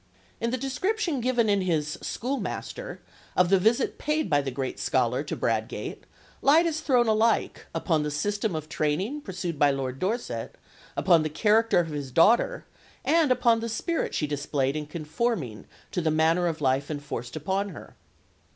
In the description given in his Schoolmaster of the visit paid by the great scholar to Bradgate, light is thrown alike upon the system of training pursued by Lord Dorset, upon the character of his daughter, and upon the spirit she displayed in conforming to the manner of life enforced upon her.